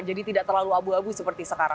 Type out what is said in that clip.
jadi tidak terlalu abu abu seperti sekarang